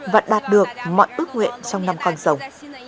và đạt được mọi ước nguyện trong năm con rồng